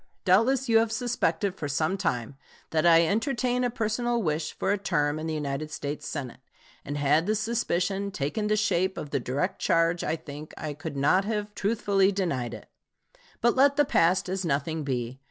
Doubtless you have suspected for some time that I entertain a personal wish for a term in the United States Senate; and had the suspicion taken the shape of the direct charge I think I could not have truthfully denied it. But let the past as nothing be.